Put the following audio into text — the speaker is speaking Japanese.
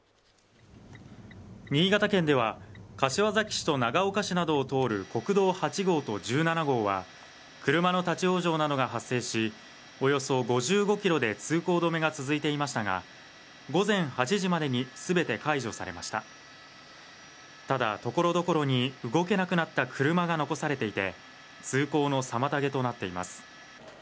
新潟県では柏崎市と長岡市などを通る国道８号と１７号は車の立往生などが発生しおよそ５５キロで通行止めが続いていましたが午前８時までにすべて解除されましたただところどころに動けなくなった車が残されていて通行の妨げとなっています